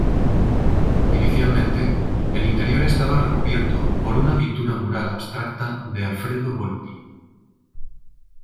Inicialmente, el interior estaba recubierto por una pintura mural abstracta de Alfredo Volpi.